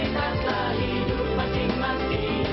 taklah hidup pating mati